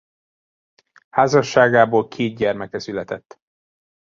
Házasságából két gyermeke született.